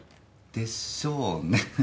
でしょうね。